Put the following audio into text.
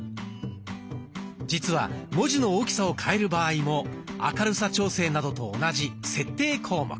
実は文字の大きさを変える場合も明るさ調整などと同じ設定項目。